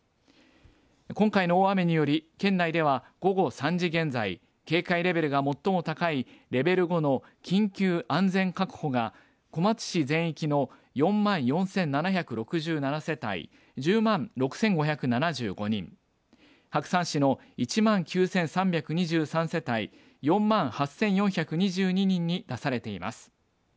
今回の大雨により、県内では午後３時現在、警戒レベルが最も高いレベル５の緊急安全確保が、小松市全域の４万４７６７世帯、１０万６５７５人、白山市の１万９３２３世帯４万８４２２人に出されています。